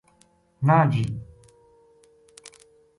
نہ جی